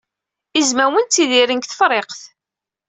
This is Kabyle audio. Izmawen ttidiren deg Tefriqt.